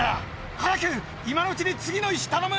早く今のうちに次の石頼む！